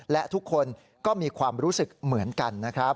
และทุกคนก็มีความรู้สึกเหมือนกันนะครับ